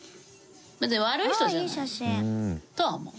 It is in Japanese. なんで悪い人じゃないとは思う。